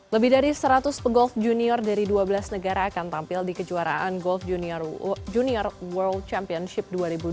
lebih dari seratus pegolf junior dari dua belas negara akan tampil di kejuaraan golf junior world championship dua ribu dua puluh